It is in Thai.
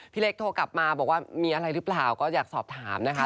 พี่เล็กโทรกลับมาบอกว่ามีอะไรหรือเปล่าก็อยากสอบถามนะคะ